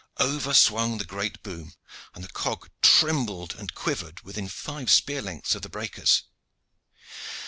Over swung the great boom, and the cog trembled and quivered within five spear lengths of the breakers.